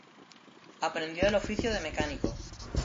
Aprendió el oficio de mecánico.